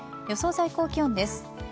予想最高気温です。